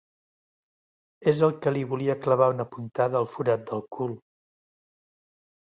És el que li volia clavar una puntada al forat del cul.